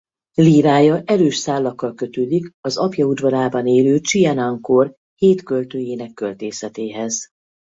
Lírája erős szálakkal kötődik az apja udvarában élő Csien-an kor hét költőjének költészetéhez.